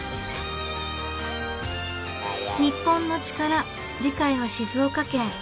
『日本のチカラ』次回は静岡県。